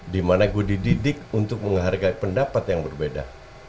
dimana gue dididik untuk menghargai pendapat yang berbeda